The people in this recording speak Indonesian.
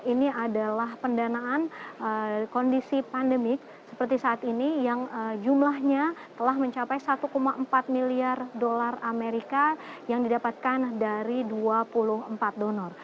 ini adalah pendanaan kondisi pandemik seperti saat ini yang jumlahnya telah mencapai satu empat miliar dolar amerika yang didapatkan dari dua puluh empat donor